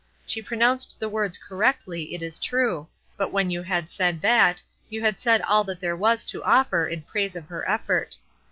She pronounced the words correctly, it is true; but when you had said that, you had said all that there was to offer in praise of her effort.